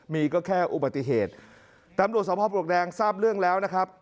มีก็แค่อุบัติเหตุตำรวจสภาพปลวกแดงทราบเรื่องแล้วนะครับ